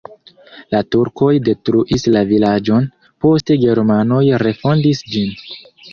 La turkoj detruis la vilaĝon, poste germanoj refondis ĝin.